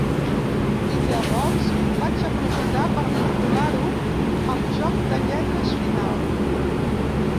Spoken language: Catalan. I llavors vaig aprofitar per vincular-ho al joc de lletres final.